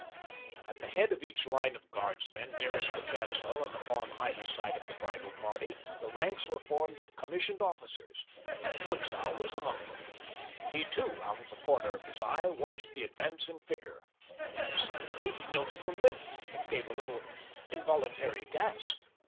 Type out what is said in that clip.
At the head of each line of guardsmen, nearest the chancel and upon either side of the bridal party, the ranks were formed of commissioned officers. Butzow was among them. He, too, out of the corner of his eye watched the advancing figure. Suddenly he noted the limp, and gave a little involuntary gasp.